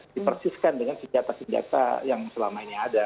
dipersiskan dengan senjata senjata yang selama ini ada